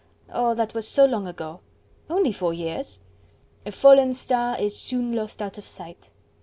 "Oh! that was so long ago." "Only four years." "A fallen star is soon lost out of sight."